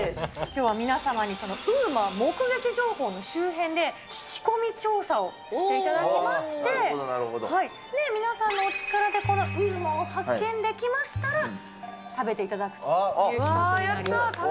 きょうは皆様にＵＭＡ目撃情報の周辺で、聞き込み調査をしていただきまして、皆さんのお力でこのＵＭＡを発見できましたら、食べていただくという企画になります。